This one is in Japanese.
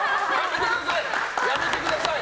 やめてください！